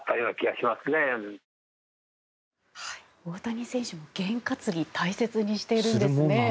大谷選手もげん担ぎ大切にしているんですね。